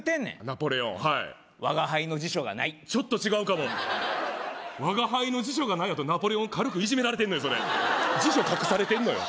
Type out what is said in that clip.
ナポレオンはい我が輩の辞書がないちょっと違うかも「我が輩の辞書がない」やとナポレオン軽くいじめられてんのよそれ辞書隠れされてんのよ